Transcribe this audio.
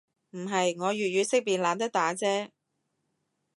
唔係，我粵語識別懶得打啫